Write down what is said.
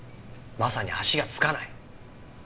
まさに足がつかない。